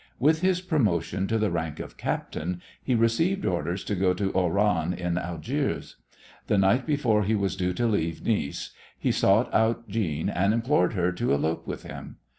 With his promotion to the rank of captain he received orders to go to Oran in Algiers. The night before he was due to leave Nice he sought out Jeanne and implored her to elope with him.